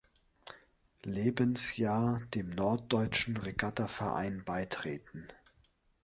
Lebensjahr dem Norddeutschen Regatta Verein beitreten.